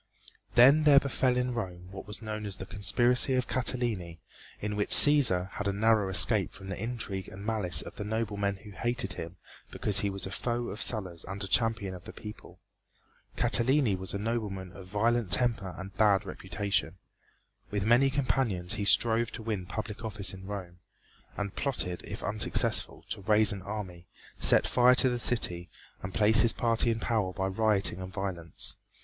Then there befell in Rome what was known as the conspiracy of Catiline, in which Cæsar had a narrow escape from the intrigue and malice of the noblemen who hated him because he was a foe of Sulla's and a champion of the people. Catiline was a nobleman of violent temper and bad reputation. With many companions he strove to win public office in Rome, and plotted, if unsuccessful, to raise an army, set fire to the city and place his party in power by rioting and violence.